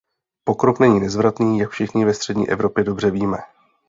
Pokrok není nezvratný, jak všichni ve střední Evropě dobře víme.